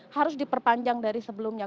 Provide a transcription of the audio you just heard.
harus diperpanjang dari sebelumnya